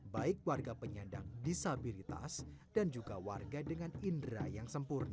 baik warga penyandang disabilitas dan juga warga dengan indera yang sempurna